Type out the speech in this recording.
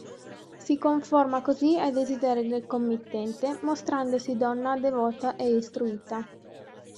Si conforma così ai desideri del committente, mostrandosi donna devota e istruita.